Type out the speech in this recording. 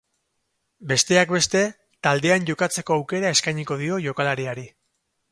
Besteak beste, taldean jokatzeko aukera eskainiko dio jokalariari.